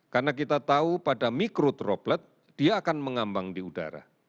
karena kita tahu pada mikro droplet dia akan mengambang di udara